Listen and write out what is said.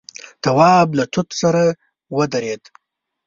تواب له توت سره ودرېد.